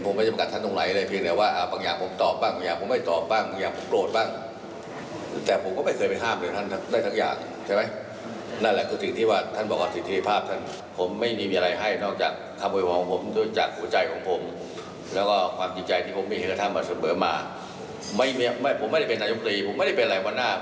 ผมไม่ได้เป็นนายกรีผมไม่ได้เป็นไรวันหน้า